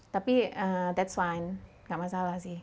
tapi that's fine nggak masalah sih